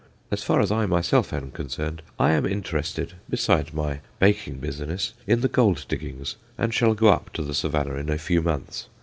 As far as I myself am concerned, I am interested besides my baking business, in the gold diggings, and shall go up to the Savannah in a few months.